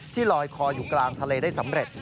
ลอยคออยู่กลางทะเลได้สำเร็จ